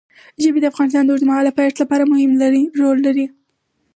ژبې د افغانستان د اوږدمهاله پایښت لپاره مهم رول لري.